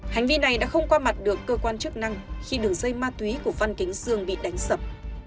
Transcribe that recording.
hành vi này đã không qua mặt được cơ quan chức năng khi đường dây ma túy của văn kính dương bị đánh sập